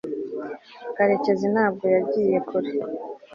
karekezi ntabwo yagiye kure